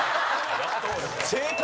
正解！